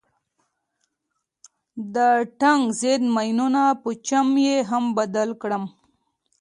د ټانک ضد ماينونو په چم يې هم بلد کړم.